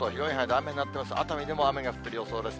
熱海でも雨が降っている予想です。